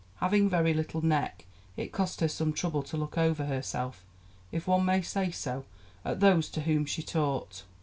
Having very little neck, it cost her some trouble to look over herself, if one may say so, at those to whom she talked.